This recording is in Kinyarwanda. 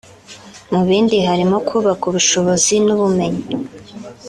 Mu bindi harimo kubaka ubushobozi n’ubumenyi